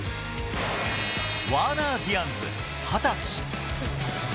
ワーナー・ディアンズ２０歳。